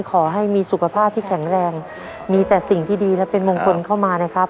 ขอให้มีสุขภาพที่แข็งแรงมีแต่สิ่งที่ดีและเป็นมงคลเข้ามานะครับ